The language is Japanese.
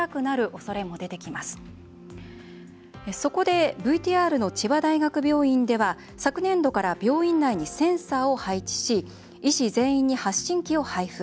そこでＶＴＲの千葉大学病院では昨年度から病院内にセンサーを配置し医師全員に発信器を配付。